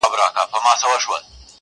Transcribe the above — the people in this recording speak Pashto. اوس لا ژاړې له آسمانه له قسمته!.